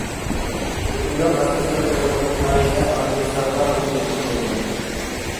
مۇشۇنداق ئاساستا قۇرۇلغان ئائىلە ئاندىن ساغلام ۋە مۇقىم بولىدۇ.